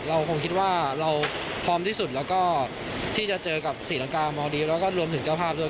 เราคงคิดว่าเราพร้อมที่สุดแล้วก็ที่จะเจอกับศรีลังกามอลดีฟแล้วก็รวมถึงเจ้าภาพด้วย